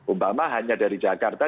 umpama hanya dari jakarta